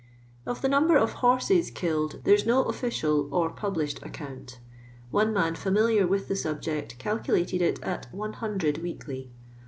Of the number of horses killed there is no official or published account One man fieaniliar with the subject calcukted it at 100 weekly.